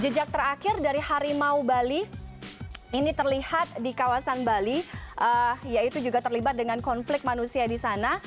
jejak terakhir dari harimau bali ini terlihat di kawasan bali yaitu juga terlibat dengan konflik manusia di sana